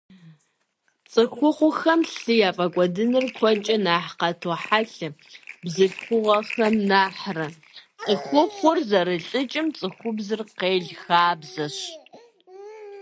Цӏыхухъухэм лъы яфӏэкӏуэдыныр куэдкӏэ нэхъ къатохьэлъэ бзылъхугъэхэм нэхърэ — цӏыхухъур зэрылӏыкӏым цӏыхубзыр къел хабзэщ.